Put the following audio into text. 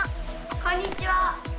こんにちは！